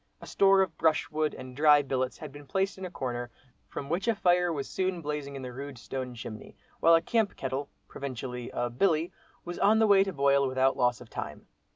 A store of brushwood and dry billets had been placed in a corner, from which a fire was soon blazing in the rude stone chimney, while a camp kettle (provincially a "billy") was on the way to boil without loss of time.